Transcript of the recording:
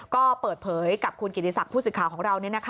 ก็เปิดเผยกับคุณกิติศักดิ์ผู้สื่อข่าวของเรา